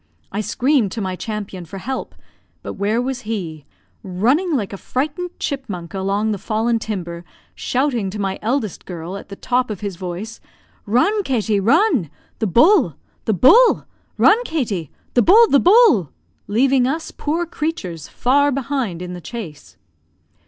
I screamed to my champion for help; but where was he? running like a frightened chipmunk along the fallen timber, shouting to my eldest girl, at the top of his voice "Run Katty, run! The bull, the bull! Run, Katty! The bull, the bull!" leaving us poor creatures far behind in the chase.